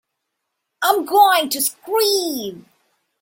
I'm going to scream!